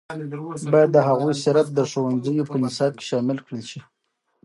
باید د هغوی سیرت د ښوونځیو په نصاب کې شامل کړل شي.